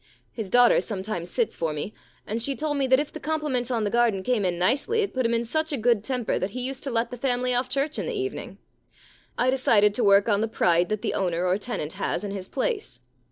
His daughter sometimes sits for me, and she told me that if the com pliments on the garden came in nicely it put him in such a good temper that he used to let the family off church in the evening. I 47 The Problem Club decided to work on the pride that the owner or tenant has in his place.